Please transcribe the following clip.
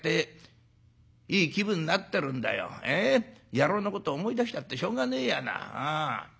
野郎のこと思い出したってしょうがねえやな。